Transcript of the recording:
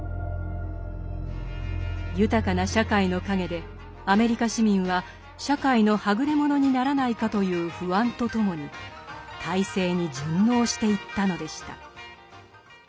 豊かな社会の陰でアメリカ市民は社会のはぐれ者にならないかという不安とともに体制に順応していったのでした。